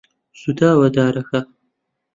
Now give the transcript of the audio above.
سوتاوە دارەکە.